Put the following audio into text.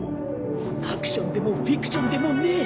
ハクションでもフィクションでもねえ。